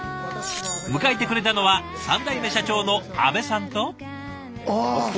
迎えてくれたのは３代目社長の阿部さんと。